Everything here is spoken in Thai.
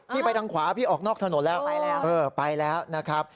ไปทางขวาพี่ออกนอกถนนแล้วไปแล้วนะครับ